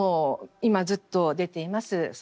今ずっと出ています